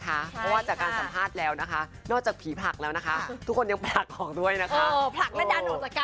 เพราะว่าจากการสัมภาษณ์แล้วนะคะนอกจากผีผลักแล้วนะคะทุกคนยังแปลกออกด้วยนะคะ